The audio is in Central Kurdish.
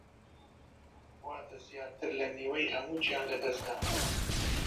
واتە زیاتر لە نیوەی هەموو گیانلەدەستدانەکان